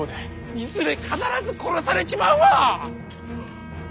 いずれ必ず殺されちまうわ！